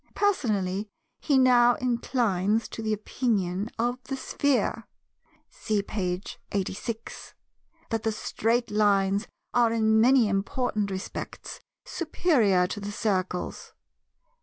Personally, he now inclines to the opinion of the Sphere (see page 86) that the Straight Lines are in many important respects superior to the Circles.